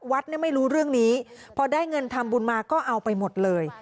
วัดเนี่ยไม่รู้เรื่องนี้พอได้เงินทำบุญมาก็เอาไปหมดเลย